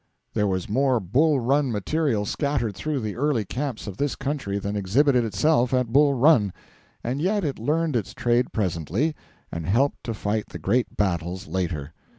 There was more Bull Run material scattered through the early camps of this country than exhibited itself at Bull Run. And yet it learned its trade presently, and helped to fight the great battles later.